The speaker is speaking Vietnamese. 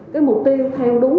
cái mục tiêu thay đúng